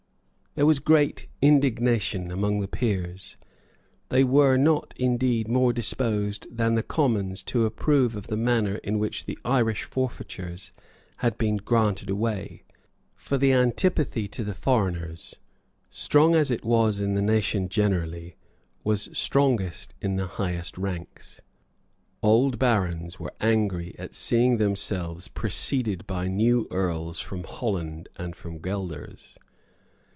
There was great indignation among the Peers. They were not indeed more disposed than the Commons to approve of the manner in which the Irish forfeitures had been granted away; for the antipathy to the foreigners, strong as it was in the nation generally, was strongest in the highest ranks. Old barons were angry at seeing themselves preceded by new earls from Holland and Guelders.